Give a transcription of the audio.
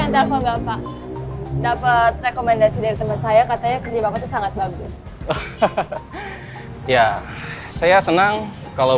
dapat rekomendasi dari teman saya katanya kerja sangat bagus ya saya senang kalau